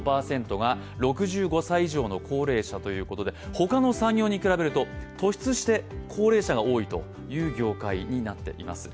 他の産業に比べると、突出して高齢者が多いという業界になっています。